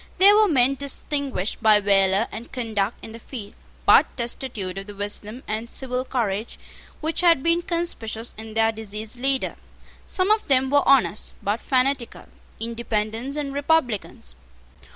They were men distinguished by valour and conduct in the field, but destitute of the wisdom and civil courage which had been conspicuous in their deceased leader. Some of them were honest, but fanatical, Independents and Republicans.